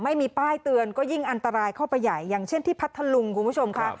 ไม่มีป้ายเตือนก็ยิ่งอันตรายเข้าไปใหญ่อย่างเช่นที่พัทธลุงคุณผู้ชมค่ะ